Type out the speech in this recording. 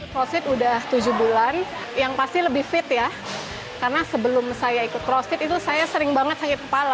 crossfit udah tujuh bulan yang pasti lebih fit ya karena sebelum saya ikut crossfit itu saya sering banget sakit kepala